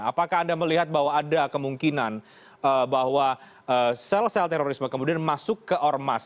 apakah anda melihat bahwa ada kemungkinan bahwa sel sel terorisme kemudian masuk ke ormas